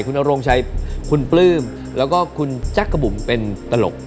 คุณนโรงชัยคุณปลื้มแล้วก็คุณจักรบุ๋มเป็นตลก